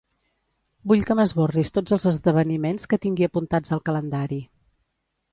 Vull que m'esborris tots els esdeveniments que tingui apuntats al calendari.